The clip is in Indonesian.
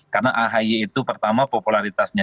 karena ahy itu pertama popularitasnya